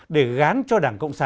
để gán cho đảng cộng sản